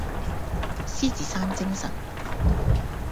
獅子山精神